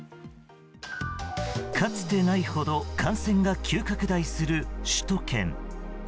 かつてないほど感染が急拡大する首都圏。